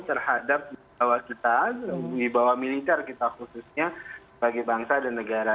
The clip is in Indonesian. terhadap bahwa kita bahwa militer kita khususnya bagi bangsa dan negara